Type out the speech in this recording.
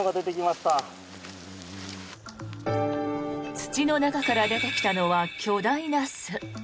土の中から出てきたのは巨大な巣。